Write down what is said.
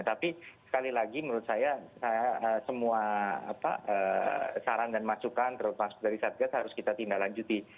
tapi sekali lagi menurut saya semua saran dan masukan terutama dari satgas harus kita tindak lanjuti